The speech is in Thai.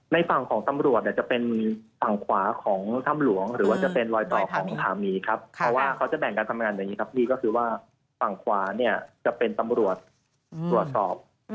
ในฝั่งของตำรวจเนี่ยจะเป็นฝั่งขวาของถ้ำหลวงหรือว่าจะเป็นรอยต่อของผาหมีครับเพราะว่าเขาจะแบ่งการทำงานอย่างนี้ครับพี่ก็คือว่าฝั่งขวาเนี่ยจะเป็นตำรวจตรวจสอบ